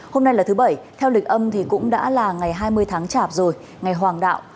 hôm nay là thứ bảy theo lịch âm thì cũng đã là ngày hai mươi tháng chạp rồi ngày hoàng đạo